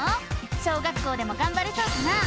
小学校でもがんばれそうかな？